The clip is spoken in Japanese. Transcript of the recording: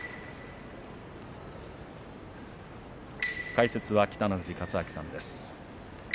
解説は北の富士勝昭さんです